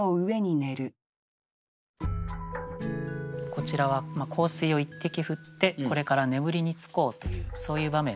こちらは香水を一滴振ってこれから眠りにつこうというそういう場面だと思いますね。